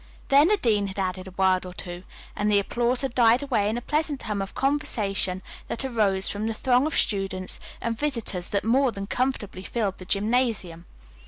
Then the dean had added a word or two, and the applause had died away in a pleasant hum of conversation that arose from the throng of students and visitors that more than comfortably filled the gymnasium.